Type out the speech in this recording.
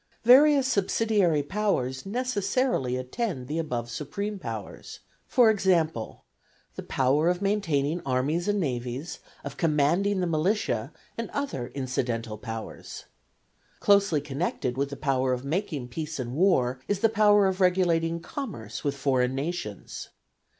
Various subsidiary powers necessarily attend the above supreme powers; for example, the power of maintaining armies and navies, of commanding the militia, and other incidental powers. Closely connected with the power of making peace and war is the power of regulating commerce with foreign nations.